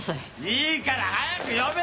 いいから早く呼べ！